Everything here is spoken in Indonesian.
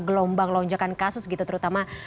gelombang lonjakan kasus gitu terutama